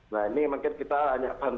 nah ini mungkin kita hanya